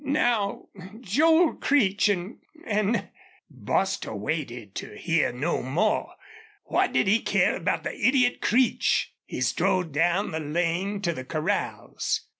Now, Joel Creech an' an' " Bostil waited to hear no more. What did he care about the idiot Creech? He strode down the lane to the corrals.